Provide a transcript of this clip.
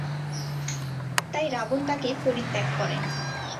তাই রাবণ তাঁকে পরিত্যাগ করেন।